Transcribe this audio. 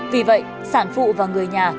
vì vậy sản phụ và người nhà